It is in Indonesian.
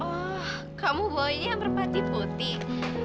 oh kamu bawa ini yang merpati putih